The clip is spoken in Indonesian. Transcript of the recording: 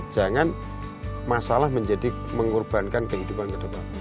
jangan masalah menjadi mengorbankan kehidupan kedepan